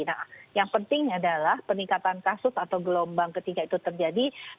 nah yang penting adalah peningkatan kasus atau gelombang ketiga itu terjadi